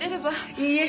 いいえ。